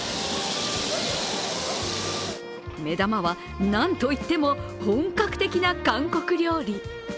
目玉は、なんといっても本格的な韓国料理。